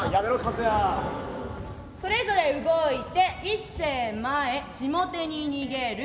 それぞれ動いて一清前下手に逃げる。